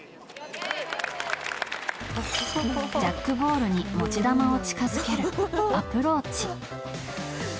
ジャックボールに持ち球を近づけるアプローチ。